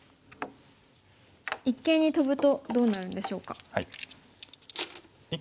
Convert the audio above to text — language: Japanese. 一間にトブとどうなるんでしょうか。